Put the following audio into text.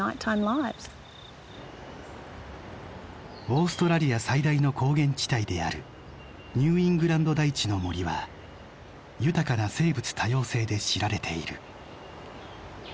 オーストラリア最大の高原地帯であるニュー・イングランド台地の森は豊かな生物多様性で知られている。